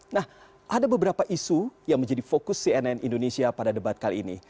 nah ada beberapa isu yang menjadi fokus cnn indonesia pada debat kali ini